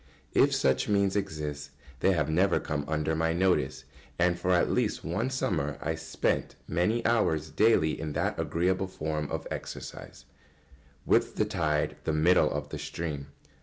If such means exist they have never come under my notice, and, for at least one summer, I spent many hours daily in that agreeable form of exercise. [Sidenote: With the tide the middle of the stream.